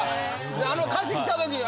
であの歌詞きた時に。